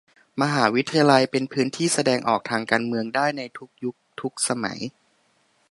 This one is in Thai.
มหาวิทยาลัยเป็นพื้นที่แสดงออกทางการเมืองได้ในทุกยุคทุกสมัย